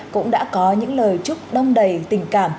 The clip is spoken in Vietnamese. cũng đã có những lời chúc đông đầy tình cảm